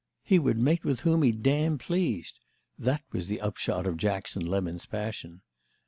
He would mate with whom he "damn pleased"; that was the upshot of Jackson Lemon's passion.